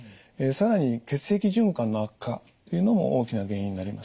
更に血液循環の悪化というのも大きな原因になります。